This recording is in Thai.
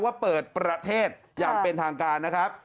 ว่าเปิดประเทศอย่างเป็นทางการนะครับ